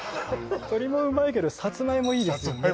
鶏もうまいけどサツマイモいいですよね